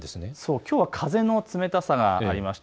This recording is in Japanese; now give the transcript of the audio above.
きょうは風の冷たさがありました。